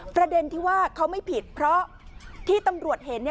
ประเด็นที่ว่าเขาไม่ผิดเพราะที่ตำรวจเห็น